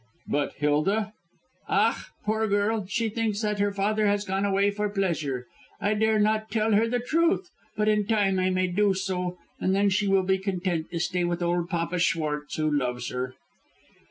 "But Hilda?" "Ach, poor girl! She thinks that her father has gone away for pleasure. I dare not tell her the truth; but in time I may do so, and then she will be content to stay with old Papa Schwartz who loves her."